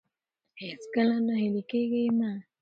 هېڅکله ناهيلي کېږئ مه.